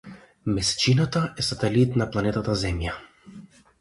Месечината е сателит на планетата Земја.